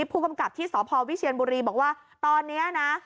ผู้กำกับที่สพวิเชียนบุรีบอกว่าตอนนี้นะ